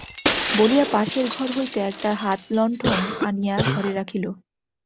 বলিয়া পাশের ঘর হইতে একটা হাত-লন্ঠন আনিয়া ঘরে রাখিল।